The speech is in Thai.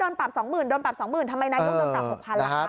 โดนปรับ๒๐๐๐๐ทำไมนายต้องโดนปรับ๖๐๐๐บาท